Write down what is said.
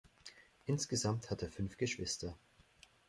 Insgesamt hat er fünf Geschwister.